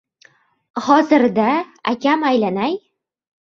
Hozir-da, akam aylanay!